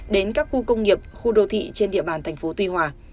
đến các khu công nghiệp khu đô thị trên địa bàn thành phố tuy hòa